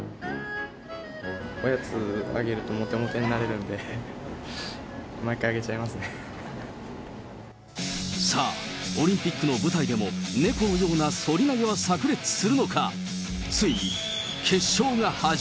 おやつをあげるともてもてになれるんで、さあ、オリンピックの舞台でも猫のような反り投げはさく裂するのか。